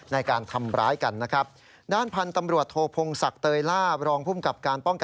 ในการทำร้ายกันนะครับ